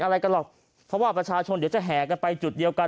อะไรกันหรอกเพราะว่าประชาชนเดี๋ยวจะแห่กันไปจุดเดียวกัน